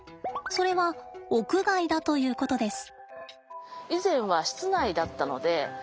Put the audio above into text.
それは屋外だということです。